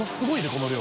この量。